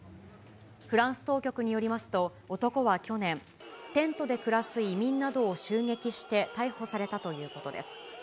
フランス当局によりますと、男は去年、テントで暮らす移民などを襲撃して逮捕されたということです。